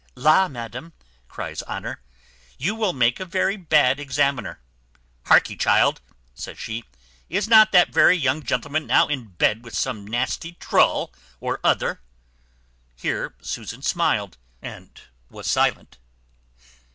"La, madam," cries Honour, "you will make a very bad examiner. Hark'ee, child," says she, "is not that very young gentleman now in bed with some nasty trull or other?" Here Susan smiled, and was silent.